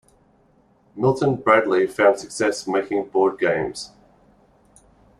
Milton Bradley found success making board games.